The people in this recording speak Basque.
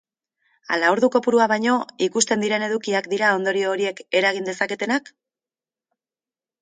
Ala ordu kopurua baino, ikusten diren edukiak dira ondorio horiek eragin dezaketenak?